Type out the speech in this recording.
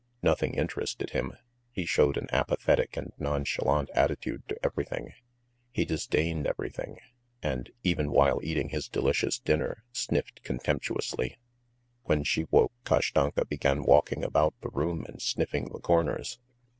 Nothing interested him, he showed an apathetic and nonchalant attitude to everything, he disdained everything and, even while eating his delicious dinner, sniffed contemptuously. When she woke Kashtanka began walking about the room and sniffing the corners.